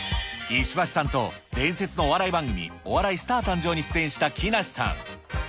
石橋さんと伝説のお笑い番組、お笑いスター誕生！に出演した木梨さん。